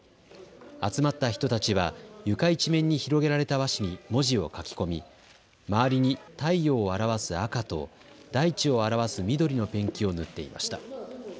集まった人たちは床一面に広げられた和紙に文字を書き込み周りに太陽を表す赤と大地を表す緑のペンキを塗っていました。